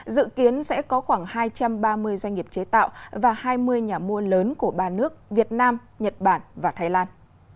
dự kiến sẽ có khoảng hai trăm ba mươi doanh nghiệp chế tạo và hai mươi nhà mua lớn của ba nước việt nam nhật bản và thái lan